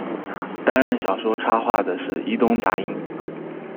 担任小说插画的是伊东杂音。